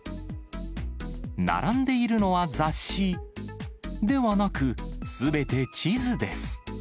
並んでいるのは雑誌、ではなく、すべて地図です。